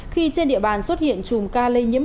khi trên địa bàn xuất hiện chùm ca lây nhiễm